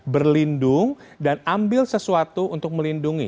berlindung dan ambil sesuatu untuk melindungi